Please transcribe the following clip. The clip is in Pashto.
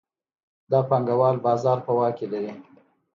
دا پانګوال بازار په واک کې لري